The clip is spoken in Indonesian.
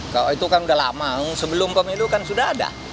kalau itu kan udah lama sebelum pemilu kan sudah ada